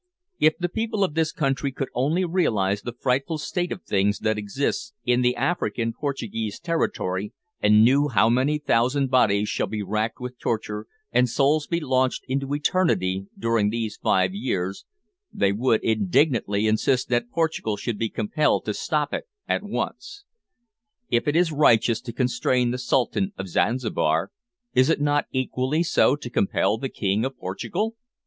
If the people of this country could only realise the frightful state of things that exists in the African Portuguese territory, and knew how many thousand bodies shall be racked with torture, and souls be launched into eternity during these five years, they would indignantly insist that Portugal should be compelled to stop it at once. If it is righteous to constrain the Sultan of Zanzibar, is it not equally so to compel the King of Portugal?